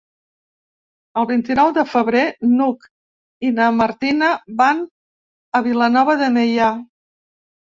El vint-i-nou de febrer n'Hug i na Martina van a Vilanova de Meià.